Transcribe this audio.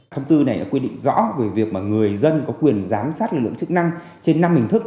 thông tư này đã quy định rõ về việc người dân có quyền giám sát lực lượng chức năng trên năm hình thức